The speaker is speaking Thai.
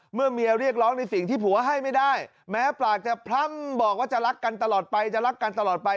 เมื่อเมียเรียกร้องในสิ่งที่ผัวให้ไม่ได้แม้ปลากจะพร่ำบอกว่าจะรักกันตลอดไป